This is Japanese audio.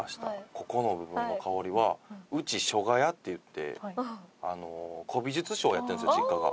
ここの部分の香りはうち書画屋っていって古美術商やってるんですよ実家が。